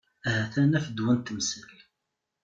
Ahat ara naf ddwa n temsal.